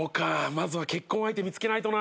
まずは結婚相手見つけないとな。